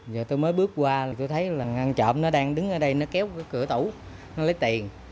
giờ tôi mới bước qua là tôi thấy là ngăn trộm nó đang đứng ở đây nó kéo cái cửa tủ nó lấy tiền